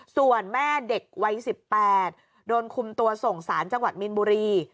ส่วนแม่เด็กวัย๑๘โดนคุมตัวส่งสารจังหวัดมีนบุรี